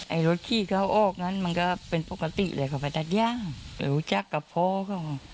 ไอ้รถขี่เข้าโอกนั้นมันก็เป็นปกติเลยของประทัดยางหรือวุจักรกับพ่อเข้ามา